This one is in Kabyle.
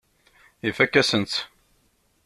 Ifakk-asen-tt.